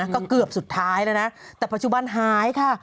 ก็เกือบสุดท้ายแล้วนะแต่ปัจจุบันหายค่ะ